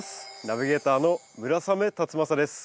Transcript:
ナビゲーターの村雨辰剛です。